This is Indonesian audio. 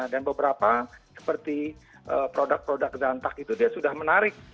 dan beberapa seperti produk produk zantag itu dia sudah menarik